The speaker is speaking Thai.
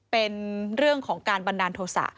เป็นเรื่องของการบันดาลโทษะ